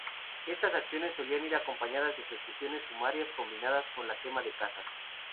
Estas acciones solían ir acompañadas de ejecuciones sumarias combinadas con la quema de casas.